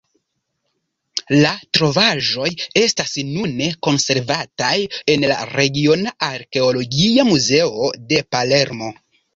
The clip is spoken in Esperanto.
La trovaĵoj estas nune konservataj en la Regiona Arkeologia Muzeo de Palermo.